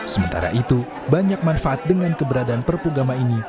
sementara itu banyak manfaat dengan keberadaan perpu gama ini